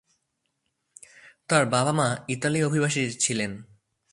তার বাবা-মা ইতালির অভিবাসী ছিলেন।